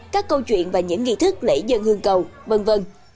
các câu chuyện và những nghi thức lễ dân hương cầu v v